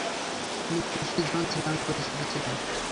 তিনি "Pussy Jones" নামে পরিচিত ছিলেন।